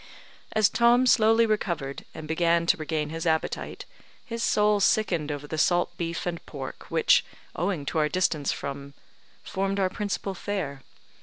As Tom slowly recovered, and began to regain his appetite, his soul sickened over the salt beef and pork, which, owing to our distance from , formed our principal fare.